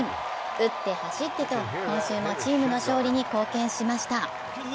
打って走ってと今週もチームの勝利に貢献しました。